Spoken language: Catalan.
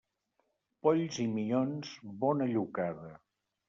Polls i minyons, bona llocada.